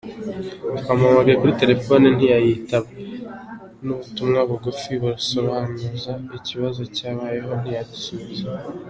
Twamuhamagaye kuri telephone ntiyayifata, n’ubutumwa bugufi busobanuza ikibazo cyabayeho ntiyabusubiza.